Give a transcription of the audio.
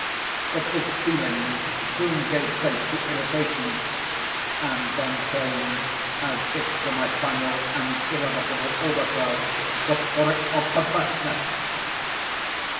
But this feeling soon gave place to irritation. And then came, as if to my final and irrevocable overthrow, the spirit of PERVERSENESS.